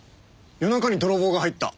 夜中に泥棒が入った。